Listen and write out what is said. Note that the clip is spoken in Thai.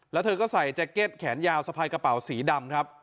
แล้วเธอก็ใส่แจ็คเก็ตแขนยาวสะพายกระเป๋าสีดำครับ